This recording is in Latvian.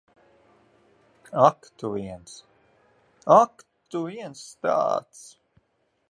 Ak tu viens. Ak, tu viens tāds!